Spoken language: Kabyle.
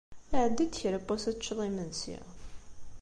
Ɛeddi-d kra n wass ad teččeḍ imensi.